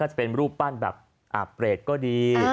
จะเป็นรูปปั้นแบบอาบเปรตก็ดี